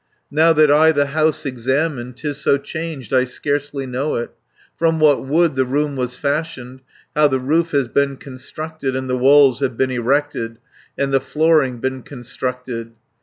"Now that I the house examine, 'Tis so changed I scarcely know it, From what wood the room was fashioned, How the roof has been constructed, And the walls have been erected, And the flooring been constructed.